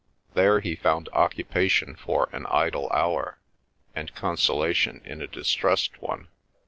—'There he found occupation for an idle hour, and consolation in a distressed one.